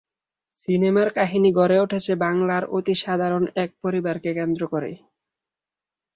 সিনেমার কাহিনী গড়ে উঠেছে বাংলার অতি সাধারণ এক পরিবারকে কেন্দ্র করে।